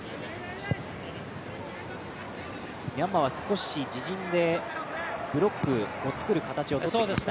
ミャンマーは、少し自陣でブロックを作る形をとってきました。